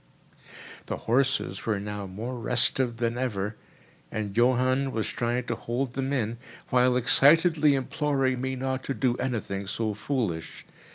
The horses were now more restive than ever, and Johann was trying to hold them in, while excitedly imploring me not to do anything so foolish.